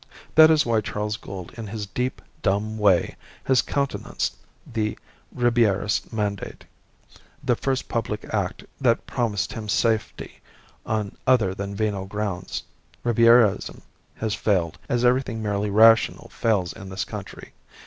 That is why Charles Gould in his deep, dumb way has countenanced the Ribierist Mandate, the first public act that promised him safety on other than venal grounds. Ribierism has failed, as everything merely rational fails in this country.